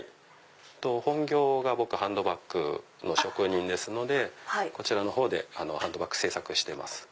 本業が僕ハンドバッグの職人ですのでこちらのほうでハンドバッグ制作してます。